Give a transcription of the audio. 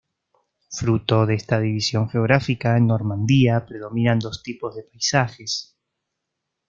Fruto de esta división geográfica, en Normandía predominan dos tipos de paisajes.